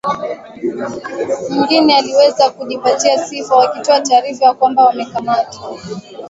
mwingine waliweza kujipatia sifa wakitoa taarifa ya kwamba wamekamata